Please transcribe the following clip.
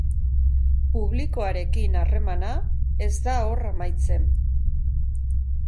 Publikoarekin harremana ez da hor amaitzen.